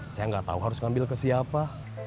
saya gak tau harus ngambil ke siapa